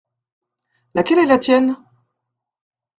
Laquelle est la tienne ?